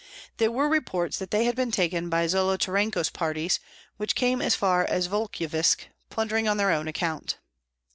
There were reports that they had been taken by Zolotarenko's parties, which came as far as Volkovysk, plundering on their own account.